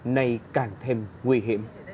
nay càng thêm nguy hiểm